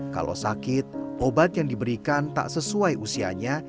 kalau sakit obat yang diberikan tak sesuai usianya